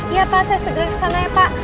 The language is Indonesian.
iya pak saya segera kesana ya pak